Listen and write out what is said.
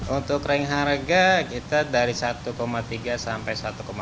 untuk ring harga kita dari satu tiga sampai satu lima